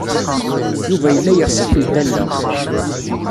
Yuba yella yeɣs ad kent-alleɣ.